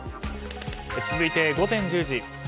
続いて午前１０時。